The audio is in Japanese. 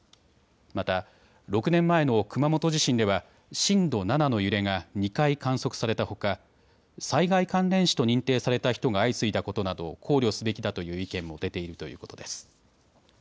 また、６年前の熊本地震では震度７の揺れが２回観測されたほか災害関連死と認定された人が相次いだことなどを考慮すべきだという意見も出ているということです。